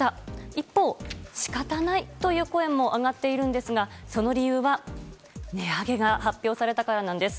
一方、仕方ないという声も上がっているんですがその理由は値上げが発表されたからなんです。